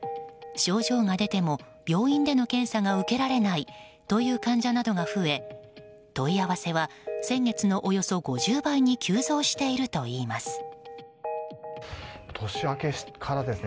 症状が出ても病院での検査が受けられないという患者などが増え問い合わせは先月のおよそ５０倍に急増しているといいます。